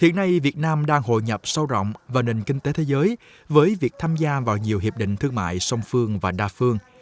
hiện nay việt nam đang hội nhập sâu rộng vào nền kinh tế thế giới với việc tham gia vào nhiều hiệp định thương mại song phương và đa phương